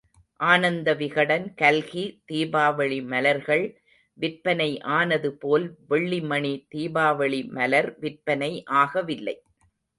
ஆனந்த விகடன், கல்கி தீபாவளி மலர்கள் விற்பனை ஆனதுபோல் வெள்ளி மணி தீபாவளி மலர் விற்பனை ஆகவில்லை.